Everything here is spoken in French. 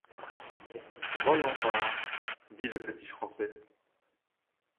Voyons voir, dit le petit français.